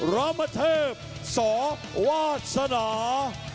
รมเทพสวาสนา